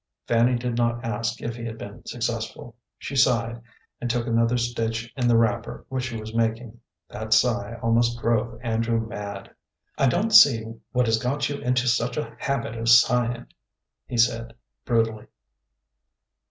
Fanny did not ask if he had been successful. She sighed, and took another stitch in the wrapper which she was making. That sigh almost drove Andrew mad. "I don't see what has got you into such a habit of sighing," he said, brutally.